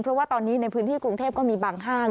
เพราะว่าตอนนี้ในพื้นที่กรุงเทพก็มีบางห้าง